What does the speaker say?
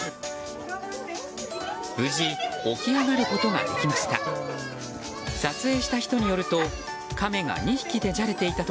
無事起き上がることができました。